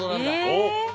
おっ。